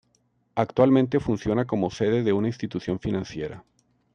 Actualmente funciona como sede de una institución financiera.